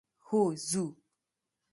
هو ځو.